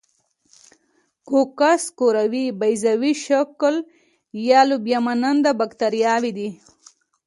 کوکس کروي، بیضوي شکل یا لوبیا مانند باکتریاوې دي.